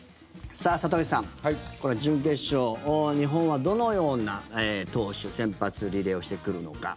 里崎さん、これ準決勝日本はどのような投手先発リレーをしてくるのか。